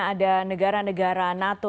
ada negara negara nato